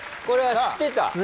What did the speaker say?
これは知ってた？